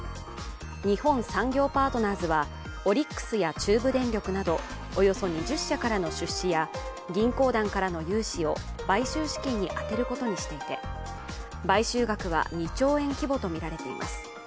日本産業パートナーズはオリックスや中部電力などおよそ２０社からの出資や銀行団からの融資を買収資金に充てることにしていて、買収額は２兆円規模とみられています。